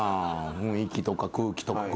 雰囲気とか空気感とかは。